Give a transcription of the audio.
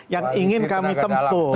yang ingin kami tempuh